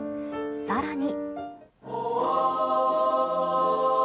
さらに。